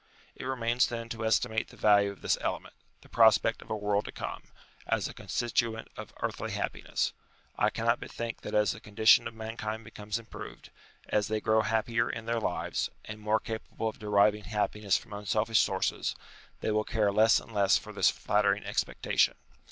It remains then to estimate the value of this element the prospect of a world to come as a constituent of earthly happi ness. I cannot but think that as the condition of mankind becomes improved, as they grow happier in their lives, and more capable of deriving from unselfish sources, they will care less and less for this flattering expectation.